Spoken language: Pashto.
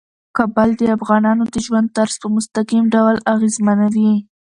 کابل د افغانانو د ژوند طرز په مستقیم ډول اغېزمنوي.